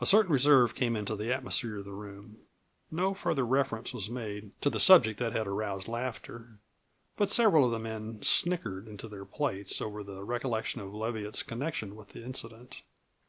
A certain reserve came into the atmosphere of the room. No further reference was made to the subject that had aroused laughter, but several of the men snickered into their plates over the recollection of Leviatt's connection with the incident.